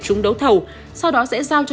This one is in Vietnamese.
chúng đấu thầu sau đó sẽ giao cho